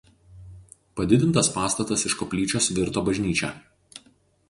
Padidintas pastatas iš koplyčios virto bažnyčia.